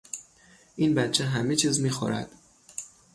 این بچه همه چیز میخورد.